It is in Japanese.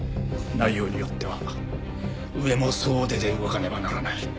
内容によっては上も総出で動かねばならない。